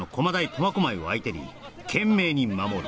苫小牧を相手に懸命に守る